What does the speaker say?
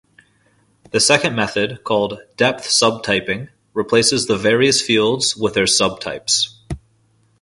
The second method, called "depth subtyping", replaces the various fields with their subtypes.